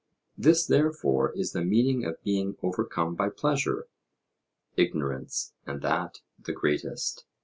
This, therefore, is the meaning of being overcome by pleasure; ignorance, and that the greatest.